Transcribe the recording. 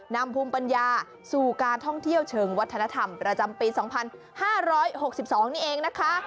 นำภูมิปัญญาสู่การท่องเที่ยวเชิงวัฒนธรรมประจำปี๒๕๖๒นี่เองนะคะ